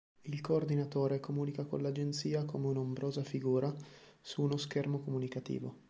Il Coordinatore comunica con l'agenzia come un ombrosa figura su uno schermo comunicativo.